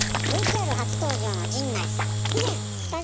ＶＴＲ初登場の陣内さん。